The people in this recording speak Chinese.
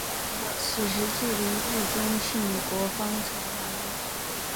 此时距离毅宗殉国方才两日。